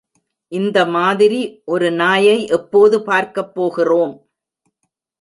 இந்த மாதிரி ஒரு நாயை எப்போது பார்க்கப்போகிறோம்!